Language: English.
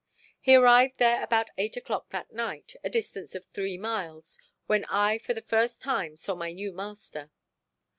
He arrived there about eight o'clock that night, a distance of three miles, when I for the first time saw my new master.